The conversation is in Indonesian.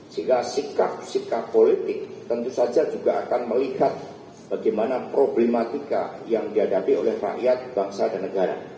sehingga sikap sikap politik tentu saja juga akan melihat bagaimana problematika yang dihadapi oleh rakyat bangsa dan negara